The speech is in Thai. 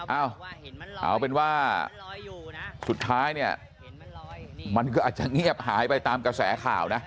เอาเอาเป็นว่าสุดท้ายเนี่ยมันก็อาจจะเงียบหายไปตามกระแสข่าวนะ